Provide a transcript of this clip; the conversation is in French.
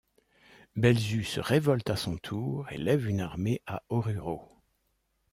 Belzu se révolte à son tour et lève une armée à Oruro.